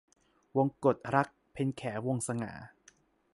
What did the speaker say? วงกตรัก - เพ็ญแข วงศ์สง่า